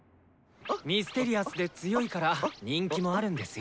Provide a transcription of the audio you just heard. ミステリアスで強いから人気もあるんですよ。